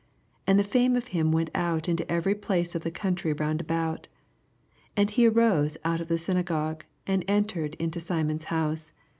37 And the iame of him went out into every place of the country round about. 88 And he arose out of the syna^ gogue, and entered into Simon's House.